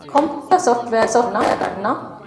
ކޮމްޕިއުޓަރ ސޮފްޓްވެއަރ ގަންނަން